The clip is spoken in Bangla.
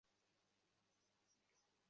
কেন আপনি এটা করলেন?